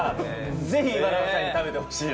ぜひ岩永さんに食べてほしいな。